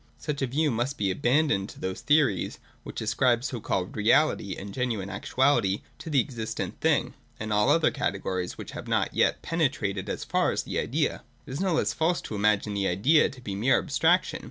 Such a view must be abandoned to those theories, which ascribe so called reality and genuine actuality to the existent thing and all the other categories which have not yet penetrated as far as the Idea. It is no less false to imagine the Idea to be mere abstraction.